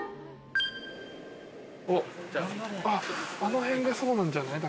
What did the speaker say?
あっあの辺がそうなんじゃない？